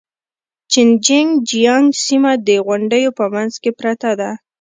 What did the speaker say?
جين چنګ جيانګ سيمه د غونډيو په منځ کې پرته ده.